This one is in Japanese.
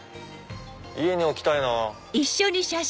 家に置きたいな。